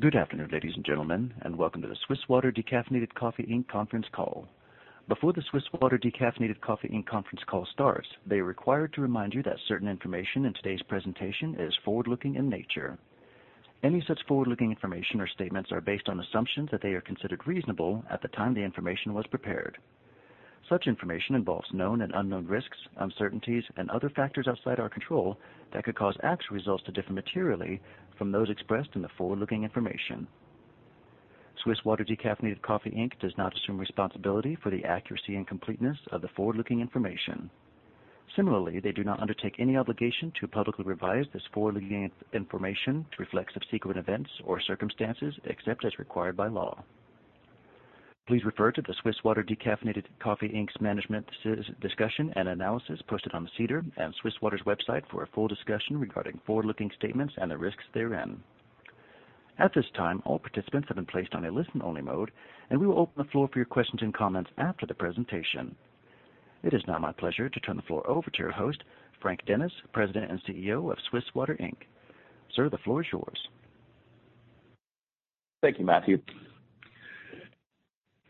Good afternoon, ladies and gentlemen, and welcome to the Swiss Water Decaffeinated Coffee Inc. conference call. Before the Swiss Water Decaffeinated Coffee Inc. conference call starts, they are required to remind you that certain information in today's presentation is forward-looking in nature. Any such forward-looking information or statements are based on assumptions that they are considered reasonable at the time the information was prepared. Such information involves known and unknown risks, uncertainties, and other factors outside our control that could cause actual results to differ materially from those expressed in the forward-looking information. Swiss Water Decaffeinated Coffee Inc. does not assume responsibility for the accuracy and completeness of the forward-looking information. Similarly, they do not undertake any obligation to publicly revise this forward-looking information to reflect subsequent events or circumstances except as required by law. Please refer to the Swiss Water Decaffeinated Coffee Inc.'s management's discussion and analysis posted on the SEDAR and Swiss Water's website for a full discussion regarding forward-looking statements and the risks therein. At this time, all participants have been placed on a listen-only mode, and we will open the floor for your questions and comments after the presentation. It is now my pleasure to turn the floor over to your host, Frank Dennis, President and CEO of Swiss Water Decaffeinated Coffee Inc. Sir, the floor is yours. Thank you, Matthew.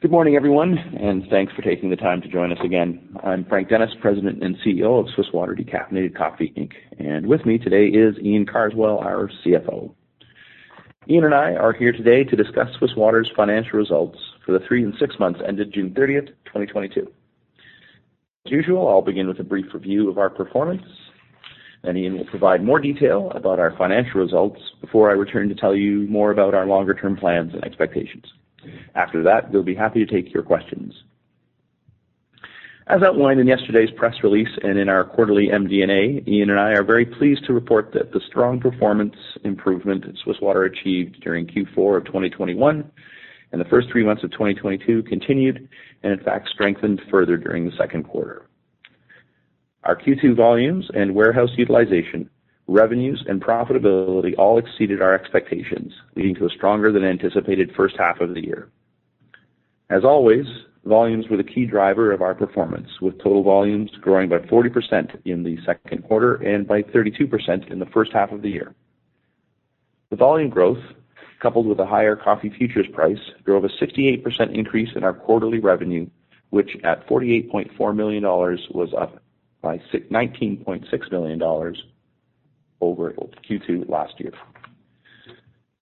Good morning, everyone, and thanks for taking the time to join us again. I'm Frank Dennis, President and CEO of Swiss Water Decaffeinated Coffee Inc. With me today is Iain Carswell, our CFO. Iain and I are here today to discuss Swiss Water's financial results for the three and six months ended June 30th, 2022. As usual, I'll begin with a brief review of our performance, and Iain will provide more detail about our financial results before I return to tell you more about our longer-term plans and expectations. After that, we'll be happy to take your questions. As outlined in yesterday's press release and in our quarterly MD&A, Iain and I are very pleased to report that the strong performance improvement that Swiss Water achieved during Q4 of 2021 and the first three months of 2022 continued and in fact strengthened further during the second quarter. Our Q2 volumes and warehouse utilization, revenues, and profitability all exceeded our expectations, leading to a stronger than anticipated first half of the year. As always, volumes were the key driver of our performance, with total volumes growing by 40% in the second quarter and by 32% in the first half of the year. The volume growth, coupled with a higher coffee futures price, drove a 68% increase in our quarterly revenue, which at 48.4 million dollars was up by 19.6 million dollars over Q2 last year.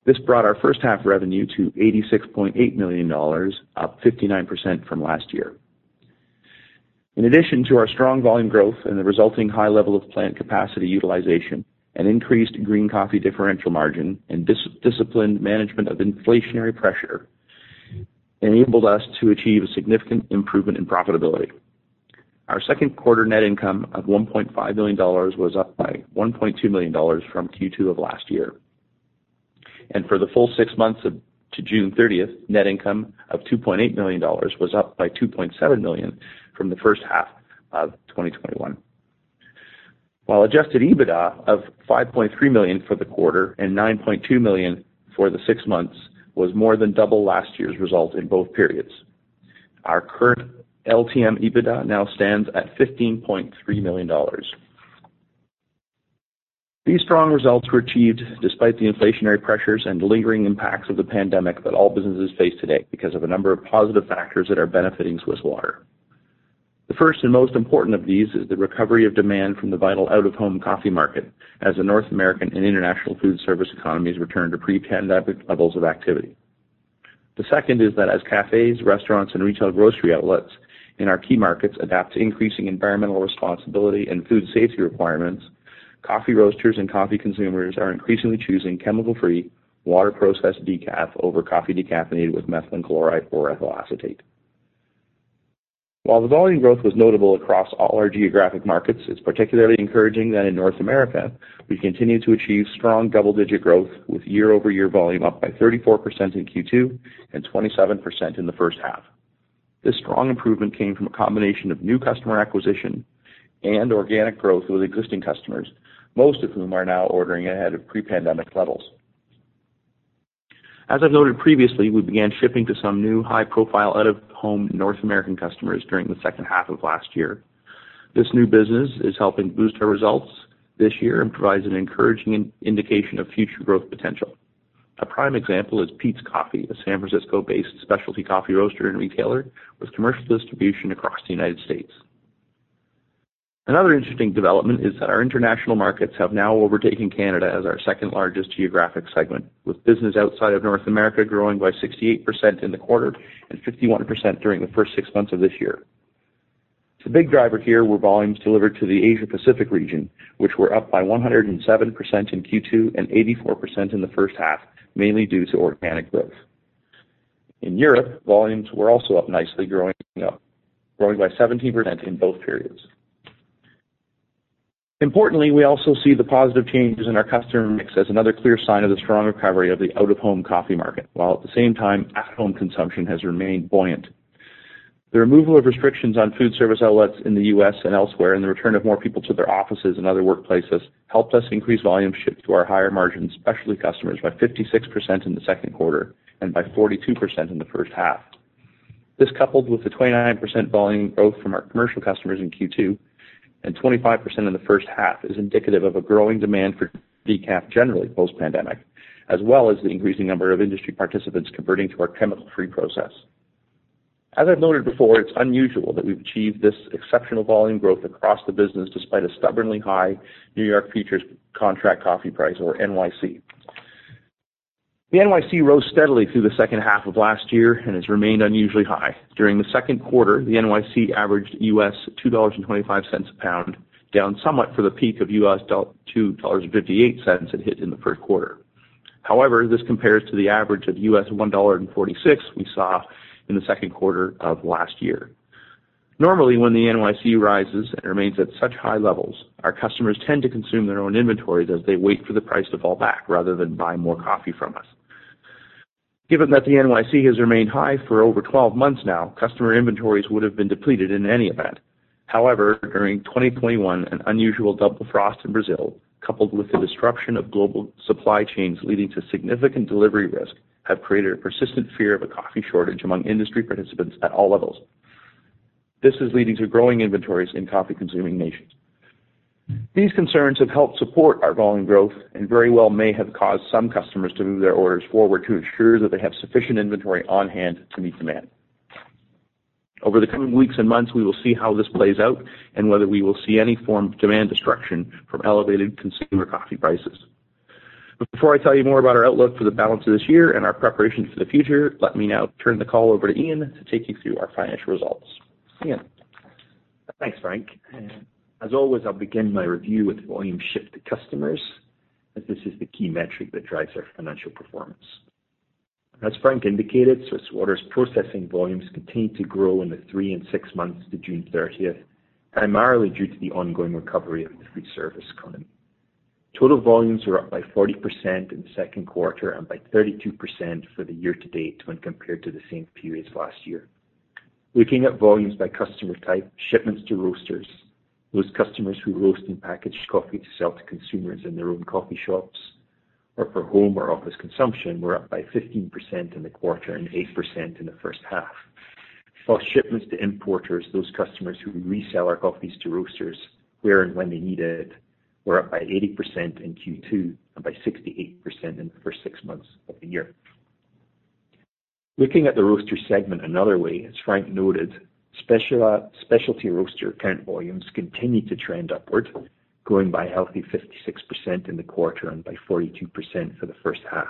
This brought our first half revenue to 86.8 million dollars, up 59% from last year. In addition to our strong volume growth and the resulting high level of plant capacity utilization and increased green coffee differential margin and disciplined management of inflationary pressure enabled us to achieve a significant improvement in profitability. Our second quarter net income of 1.5 million dollars was up by 1.2 million dollars from Q2 of last year. For the full six months to June 30th, net income of 2.8 million dollars was up by 2.7 million from the first half of 2021. While adjusted EBITDA of 5.3 million for the quarter and 9.2 million for the six months was more than double last year's result in both periods. Our current LTM EBITDA now stands at 15.3 million dollars. These strong results were achieved despite the inflationary pressures and lingering impacts of the pandemic that all businesses face today because of a number of positive factors that are benefiting Swiss Water. The first and most important of these is the recovery of demand from the vital out-of-home coffee market as the North American and international food service economies return to pre-pandemic levels of activity. The second is that as cafes, restaurants, and retail grocery outlets in our key markets adapt to increasing environmental responsibility and food safety requirements, coffee roasters and coffee consumers are increasingly choosing chemical-free water-processed decaf over coffee decaffeinated with methylene chloride or ethyl acetate. While the volume growth was notable across all our geographic markets, it's particularly encouraging that in North America, we continue to achieve strong double-digit growth with year-over-year volume up by 34% in Q2 and 27% in the first half. This strong improvement came from a combination of new customer acquisition and organic growth with existing customers, most of whom are now ordering ahead of pre-pandemic levels. As I've noted previously, we began shipping to some new high-profile out-of-home North American customers during the second half of last year. This new business is helping boost our results this year and provides an encouraging indication of future growth potential. A prime example is Peet's Coffee, a San Francisco-based specialty coffee roaster and retailer with commercial distribution across the United States. Another interesting development is that our international markets have now overtaken Canada as our second-largest geographic segment, with business outside of North America growing by 68% in the quarter and 51% during the first six months of this year. The big driver here were volumes delivered to the Asia-Pacific region, which were up by 107% in Q2 and 84% in the first half, mainly due to organic growth. In Europe, volumes were also up nicely, growing by 17% in both periods. Importantly, we also see the positive changes in our customer mix as another clear sign of the strong recovery of the out-of-home coffee market, while at the same time, at-home consumption has remained buoyant. The removal of restrictions on food service outlets in the U.S. and elsewhere and the return of more people to their offices and other workplaces helped us increase volume shipped to our higher-margin specialty customers by 56% in the second quarter and by 42% in the first half. This coupled with the 29% volume growth from our commercial customers in Q2 and 25% in the first half is indicative of a growing demand for decaf generally post-pandemic, as well as the increasing number of industry participants converting to our chemical-free process. As I've noted before, it's unusual that we've achieved this exceptional volume growth across the business despite a stubbornly high New York futures contract coffee price or NY’C. The NY’C rose steadily through the second half of last year and has remained unusually high. During the second quarter, the NY’C averaged $2.25 a pound, down somewhat from the peak of $2.58 it hit in the third quarter. However, this compares to the average of $1.46 we saw in the second quarter of last year. Normally, when the NY’C rises and remains at such high levels, our customers tend to consume their own inventories as they wait for the price to fall back rather than buy more coffee from us. Given that the NY’C has remained high for over 12 months now, customer inventories would have been depleted in any event. However, during 2021, an unusual double frost in Brazil, coupled with the disruption of global supply chains leading to significant delivery risk, have created a persistent fear of a coffee shortage among industry participants at all levels. This is leading to growing inventories in coffee consuming nations. These concerns have helped support our volume growth and very well may have caused some customers to move their orders forward to ensure that they have sufficient inventory on hand to meet demand. Over the coming weeks and months, we will see how this plays out and whether we will see any form of demand destruction from elevated consumer coffee prices. Before I tell you more about our outlook for the balance of this year and our preparation for the future, let me now turn the call over to Iain to take you through our financial results. Iain. Thanks, Frank. As always, I'll begin my review with volume shipped to customers, as this is the key metric that drives our financial performance. As Frank indicated, Swiss Water's processing volumes continued to grow in the three and six months to June 30th, primarily due to the ongoing recovery of the food service economy. Total volumes were up by 40% in the second quarter and by 32% for the year-to-date when compared to the same periods last year. Looking at volumes by customer type, shipments to roasters, those customers who roast and package coffee to sell to consumers in their own coffee shops or for home or office consumption, were up by 15% in the quarter and 8% in the first half. While shipments to importers, those customers who resell our coffees to roasters where and when they need it, were up by 80% in Q2 and by 68% in the first six months of the year. Looking at the roaster segment another way, as Frank noted, specialty roaster account volumes continued to trend upward, growing by a healthy 56% in the quarter and by 42% for the first half.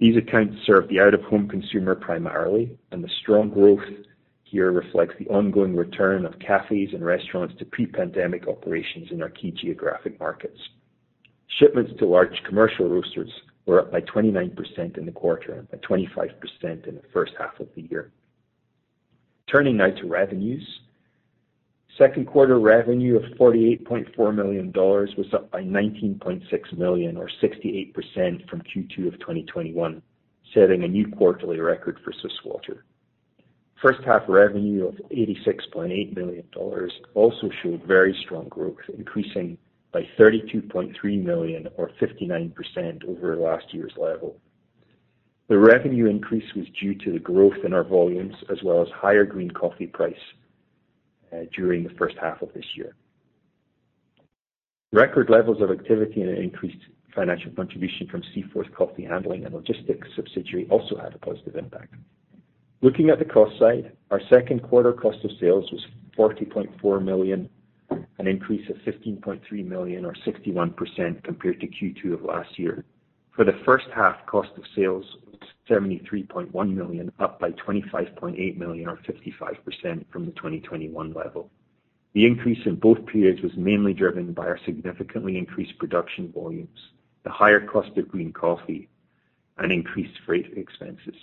These accounts serve the out-of-home consumer primarily, and the strong growth here reflects the ongoing return of cafes and restaurants to pre-pandemic operations in our key geographic markets. Shipments to large commercial roasters were up by 29% in the quarter and by 25% in the first half of the year. Turning now to revenues. Second quarter revenue of 48.4 million dollars was up by 19.6 million or 68% from Q2 of 2021, setting a new quarterly record for Swiss Water. First half revenue of 86.8 million dollars also showed very strong growth, increasing by 32.3 million or 59% over last year's level. The revenue increase was due to the growth in our volumes as well as higher green coffee price during the first half of this year. Record levels of activity and an increased financial contribution from Seaforth coffee handling and logistics subsidiary, also had a positive impact. Looking at the cost side, our second quarter cost of sales was 40.4 million, an increase of 15.3 million or 61% compared to Q2 of last year. For the first half, cost of sales was 73.1 million, up by 25.8 million or 55% from the 2021 level. The increase in both periods was mainly driven by our significantly increased production volumes, the higher cost of green coffee, and increased freight expenses.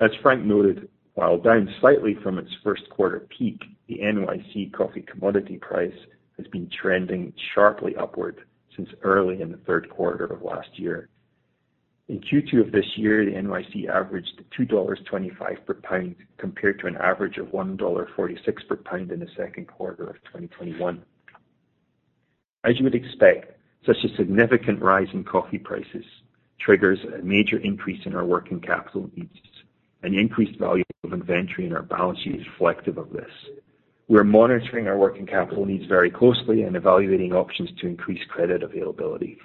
As Frank noted, while down slightly from its first quarter peak, the NY’C coffee commodity price has been trending sharply upward since early in the third quarter of last year. In Q2 of this year, the NY’C averaged $2.25 per pound, compared to an average of $1.46 per pound in the second quarter of 2021. As you would expect, such a significant rise in coffee prices triggers a major increase in our working capital needs. An increased value of inventory in our balance sheet is reflective of this. We are monitoring our working capital needs very closely and evaluating options to increase credit availability.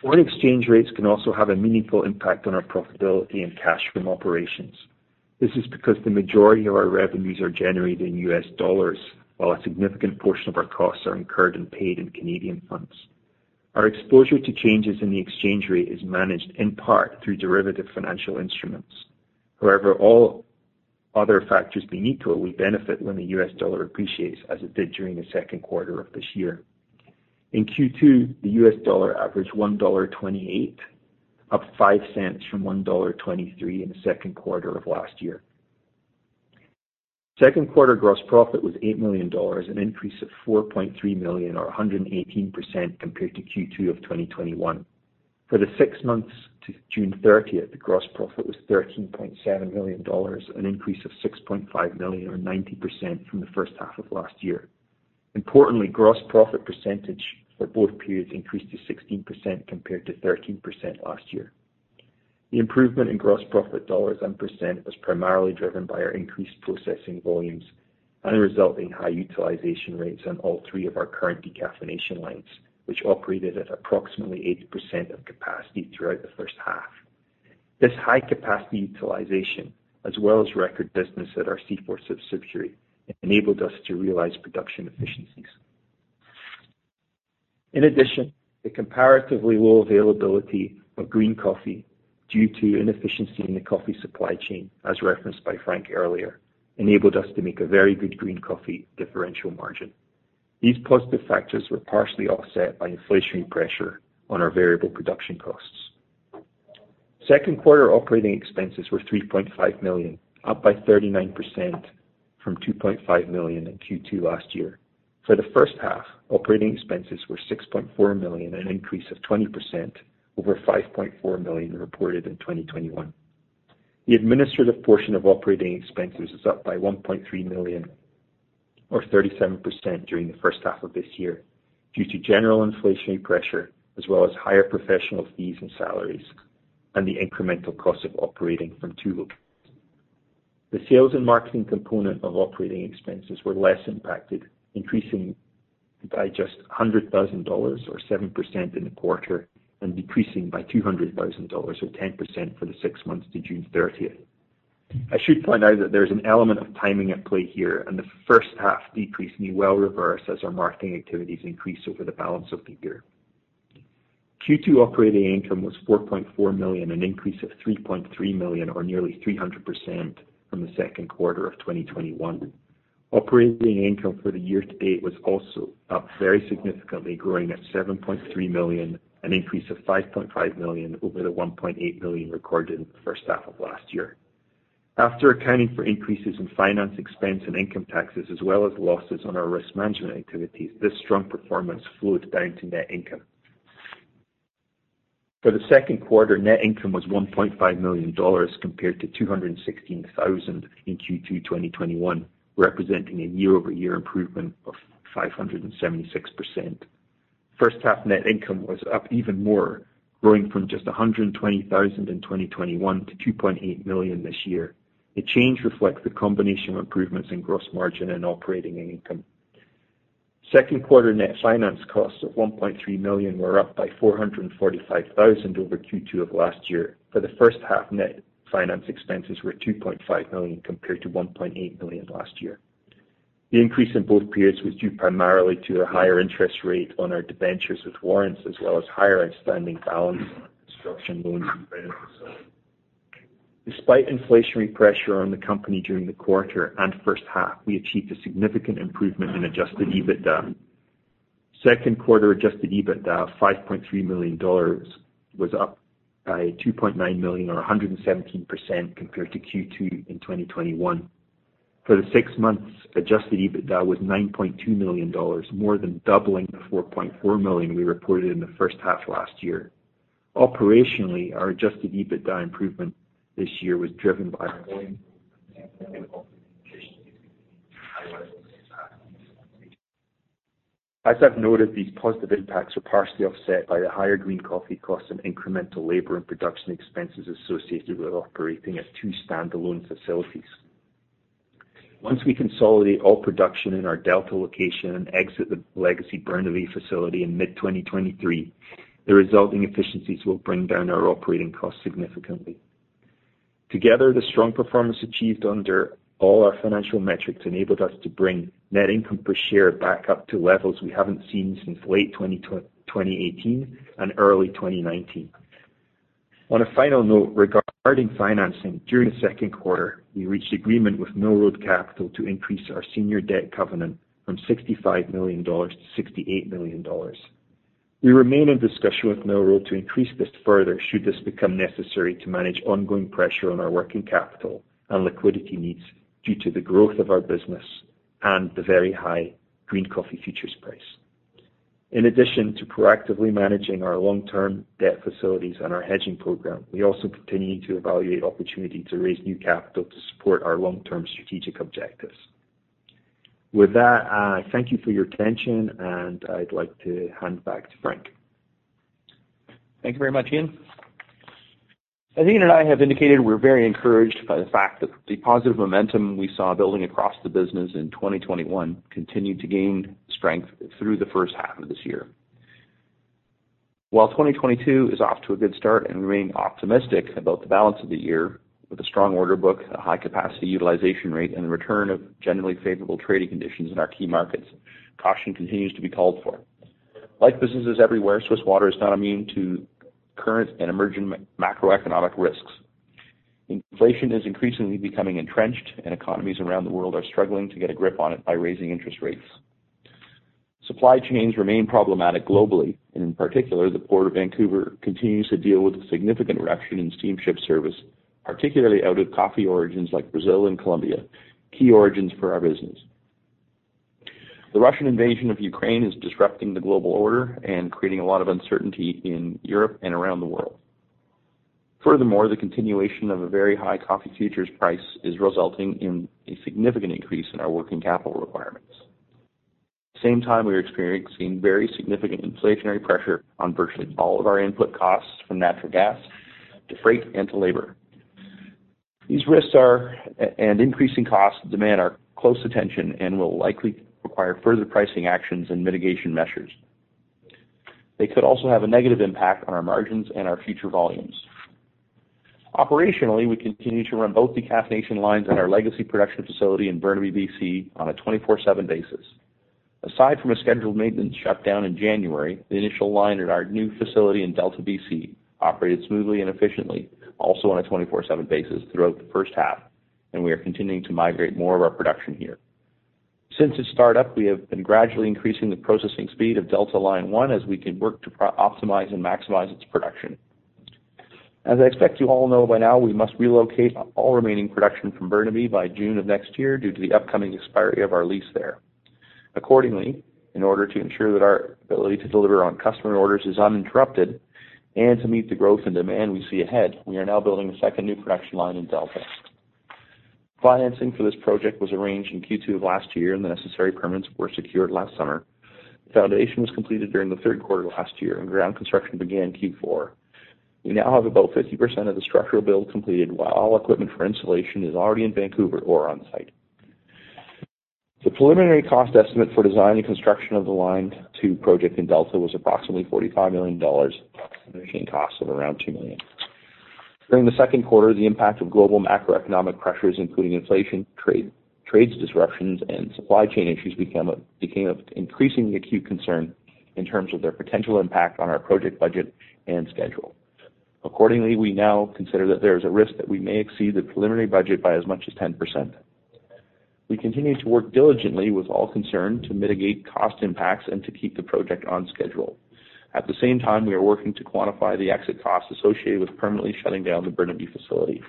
Foreign exchange rates can also have a meaningful impact on our profitability and cash from operations. This is because the majority of our revenues are generated in U.S. dollars, while a significant portion of our costs are incurred and paid in Canadian funds. Our exposure to changes in the exchange rate is managed in part through derivative financial instruments. However, all other factors being equal, we benefit when the U.S. dollar appreciates as it did during the second quarter of this year. In Q2, the U.S. dollar averaged 1.28 dollar, up 0.05 from 1.23 dollar in the second quarter of last year. Second quarter gross profit was 8 million dollars, an increase of 4.3 million or 118% compared to Q2 of 2021. For the six months to June 30th, the gross profit was 13.7 million dollars, an increase of 6.5 million or 90% from the first half of last year. Importantly, gross profit percentage for both periods increased to 16% compared to 13% last year. The improvement in gross profit dollars and percent was primarily driven by our increased processing volumes and the resulting high utilization rates on all three of our current decaffeination lines, which operated at approximately 80% of capacity throughout the first half. This high capacity utilization, as well as record business at our Seaforth subsidiary, enabled us to realize production efficiencies. In addition, the comparatively low availability of green coffee due to inefficiency in the coffee supply chain, as referenced by Frank earlier, enabled us to make a very good green coffee differential margin. These positive factors were partially offset by inflationary pressure on our variable production costs. Second quarter OpEx were 3.5 million, up by 39% from 2.5 million in Q2 last year. For the first half, OpEx were 6.4 million, an increase of 20% over 5.4 million reported in 2021. The administrative portion of OpEx is up by 1.3 million or 37% during the first half of this year due to general inflationary pressure as well as higher professional fees and salaries and the incremental cost of operating from two locations. The sales and marketing component of OpEx were less impacted, increasing by just 100,000 dollars or 7% in the quarter, and decreasing by 200,000 dollars or 10% for the six months to June 30th. I should point out that there's an element of timing at play here, and the first half decrease may well reverse as our marketing activities increase over the balance of the year. Q2 operating income was 4.4 million, an increase of 3.3 million or nearly 300% from the second quarter of 2021. Operating income for the year-to-date was also up very significantly, growing at 7.3 million, an increase of 5.5 million over the 1.8 million recorded in the first half of last year. After accounting for increases in finance expense and income taxes, as well as losses on our risk management activities, this strong performance flowed down to net income. For the second quarter, net income was 1.5 million dollars compared to 216,000 in Q2 2021, representing a year-over-year improvement of 576%. First half net income was up even more, growing from just 120,000 in 2021 to 2.8 million this year. The change reflects the combination of improvements in gross margin and operating income. Second quarter net finance costs of 1.3 million were up by 445,000 over Q2 of last year. For the first half, net finance expenses were 2.5 million compared to 1.8 million last year. The increase in both periods was due primarily to a higher interest rate on our debentures with warrants, as well as higher outstanding balance on our construction loans and credit facility. Despite inflationary pressure on the company during the quarter and first half, we achieved a significant improvement in adjusted EBITDA. Second quarter adjusted EBITDA of 5.3 million dollars was up by 2.9 million or 117% compared to Q2 in 2021. For the six months, adjusted EBITDA was 9.2 million dollars, more than doubling the 4.4 million we reported in the first half last year. Operationally, our adjusted EBITDA improvement this year was driven by. [inaudible] As I've noted, these positive impacts are partially offset by the higher green coffee costs and incremental labor and production expenses associated with operating as two standalone facilities. Once we consolidate all production in our Delta location and exit the legacy Burnaby facility in mid-2023, the resulting efficiencies will bring down our operating costs significantly. Together, the strong performance achieved under all our financial metrics enabled us to bring net income per share back up to levels we haven't seen since late 2018 and early 2019. On a final note regarding financing, during the second quarter we reached agreement with Mill Road Capital to increase our senior debt covenant from $65 million to $68 million. We remain in discussion with Mill Road to increase this further, should this become necessary to manage ongoing pressure on our working capital and liquidity needs due to the growth of our business and the very high green coffee futures price. In addition to proactively managing our long-term debt facilities and our hedging program, we also continue to evaluate opportunity to raise new capital to support our long-term strategic objectives. With that, thank you for your attention, and I'd like to hand back to Frank. Thank you very much, Iain. As Iain and I have indicated, we're very encouraged by the fact that the positive momentum we saw building across the business in 2021 continued to gain strength through the first half of this year. While 2022 is off to a good start and we remain optimistic about the balance of the year with a strong order book, a high capacity utilization rate, and the return of generally favorable trading conditions in our key markets, caution continues to be called for. Like businesses everywhere, Swiss Water is not immune to current and emerging macroeconomic risks. Inflation is increasingly becoming entrenched, and economies around the world are struggling to get a grip on it by raising interest rates. Supply chains remain problematic globally, and in particular, the Port of Vancouver continues to deal with a significant reduction in steamship service, particularly out of coffee origins like Brazil and Colombia, key origins for our business. The Russian invasion of Ukraine is disrupting the global order and creating a lot of uncertainty in Europe and around the world. Furthermore, the continuation of a very high coffee futures price is resulting in a significant increase in our working capital requirements. At the same time, we are experiencing very significant inflationary pressure on virtually all of our input costs, from natural gas to freight and to labor. These risks and increasing costs demand our close attention and will likely require further pricing actions and mitigation measures. They could also have a negative impact on our margins and our future volumes. Operationally, we continue to run both decaffeination lines at our legacy production facility in Burnaby, B.C. on a 24/7 basis. Aside from a scheduled maintenance shutdown in January, the initial line at our new facility in Delta, B.C. operated smoothly and efficiently also on a 24/7 basis throughout the first half, and we are continuing to migrate more of our production here. Since its start up, we have been gradually increasing the processing speed of Delta line one as we can work to optimize and maximize its production. As I expect you all know by now, we must relocate all remaining production from Burnaby by June of next year due to the upcoming expiry of our lease there. Accordingly, in order to ensure that our ability to deliver on customer orders is uninterrupted and to meet the growth and demand we see ahead, we are now building a second new production line in Delta. Financing for this project was arranged in Q2 of last year and the necessary permits were secured last summer. The foundation was completed during the third quarter of last year and ground construction began in Q4. We now have about 50% of the structural build completed while all equipment for installation is already in Vancouver or on site. The preliminary cost estimate for design and construction of the line, the project in Delta was approximately 45 million dollars, finishing costs of around 2 million. During the second quarter, the impact of global macroeconomic pressures, including inflation, trade disruptions, and supply chain issues became of increasingly acute concern in terms of their potential impact on our project budget and schedule. Accordingly, we now consider that there is a risk that we may exceed the preliminary budget by as much as 10%. We continue to work diligently with all concerned to mitigate cost impacts and to keep the project on schedule. At the same time, we are working to quantify the exit costs associated with permanently shutting down the Burnaby facility.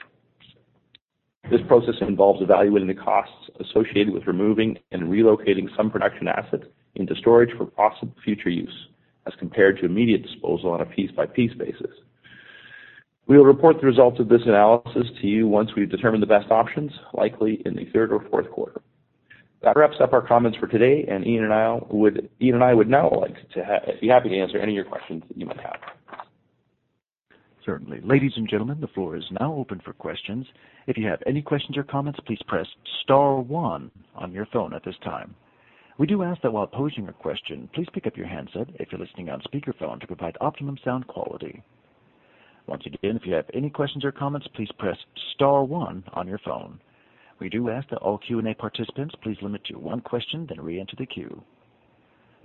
This process involves evaluating the costs associated with removing and relocating some production assets into storage for possible future use as compared to immediate disposal on a piece-by-piece basis. We will report the results of this analysis to you once we've determined the best options, likely in the third or fourth quarter. That wraps up our comments for today, and Iain and I would now like to be happy to answer any of your questions that you might have. Certainly. Ladies and gentlemen, the floor is now open for questions. If you have any questions or comments, please press star one on your phone at this time. We do ask that while posing a question, please pick up your handset if you're listening on speaker phone to provide optimum sound quality. Once again, if you have any questions or comments, please press star one on your phone. We do ask that all Q&A participants please limit to one question, then reenter the queue.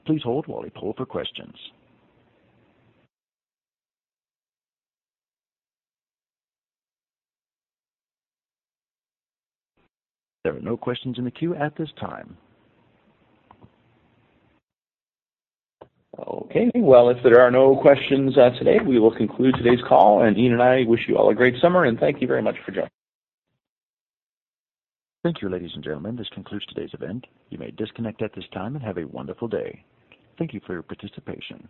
Please hold while we poll for questions. There are no questions in the queue at this time. Okay. Well, if there are no questions, today, we will conclude today's call, and Iain and I wish you all a great summer, and thank you very much for joining. Thank you, ladies and gentlemen. This concludes today's event. You may disconnect at this time and have a wonderful day. Thank you for your participation.